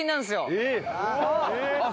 えっ！？